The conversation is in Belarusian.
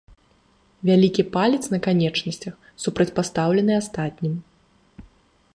Вялікі палец на канечнасцях супрацьпастаўлены астатнім.